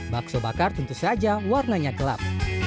bakso bakar tentu saja warnanya gelap